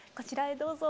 どうぞ。